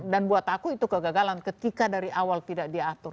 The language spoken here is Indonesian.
dan buat aku itu kegagalan ketika dari awal tidak diatur